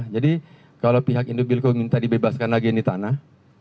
jadi kalau pihak indobilco minta dibebaskan lagi yang di tanah